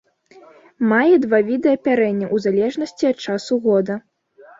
Мае два віды апярэння ў залежнасці ад часу года.